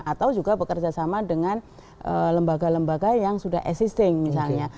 atau juga bekerja sama dengan lembaga lembaga yang sudah existing misalnya